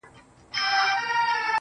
زه او زما ورته ياران_